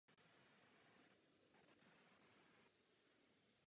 První část turné proběhla v Jižní Americe.